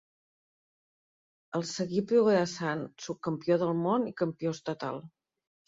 El seguí progressant: subcampió del món i campió estatal.